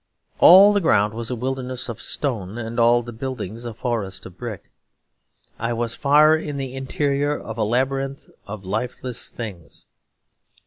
All the ground was a wilderness of stone and all the buildings a forest of brick; I was far in the interior of a labyrinth of lifeless things.